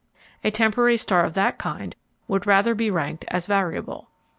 A temporary star of that kind would rather be ranked as a variable.